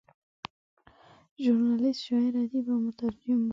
ژورنالیسټ، شاعر، ادیب او مترجم و.